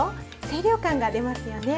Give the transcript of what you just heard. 清涼感が出ますよね。